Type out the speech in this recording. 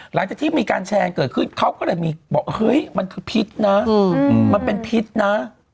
หลังจากที่มีการแชร์เกิดขึ้นเขาก็เลยมีบอกเฮ้ยมันคือพิษนะมันเป็นพิษนะ